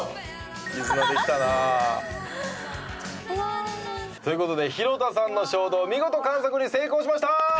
「絆できたなあ」という事で弘田さんの衝動見事観測に成功しました！